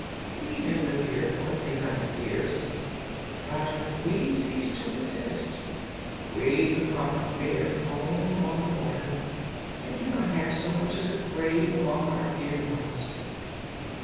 We may live here for three hundred years, but when we cease to exist we become mere foam on the water and do not have so much as a grave among our dear ones.